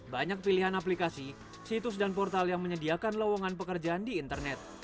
banyak pilihan aplikasi situs dan portal yang menyediakan lowongan pekerjaan di internet